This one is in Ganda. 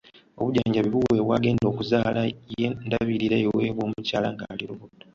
Obujjanjabi buweebwa agenda okuzaala ye ndabirira eweebwa omukyala nga ali lubuto.